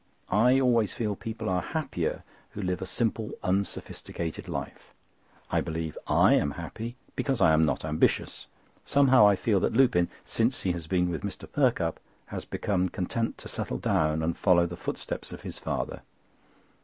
I always feel people are happier who live a simple unsophisticated life. I believe I am happy because I am not ambitious. Somehow I feel that Lupin, since he has been with Mr. Perkupp, has become content to settle down and follow the footsteps of his father.